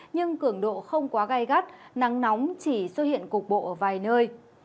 nhưng cường độ không quá gai gắt nắng nóng chỉ xuất hiện cục bộ ở vài nơi